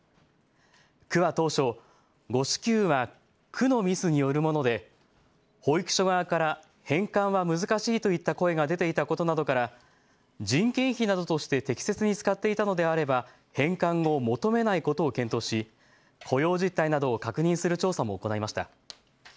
区は当初、誤支給は区のミスによるもので保育所側から返還は難しいといった声が出ていたことなどから人件費などとして適切に使っていたのであれば返還を求めないことを検討し雇用実態などを確認する調査も行いました。